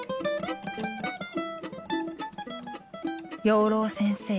養老先生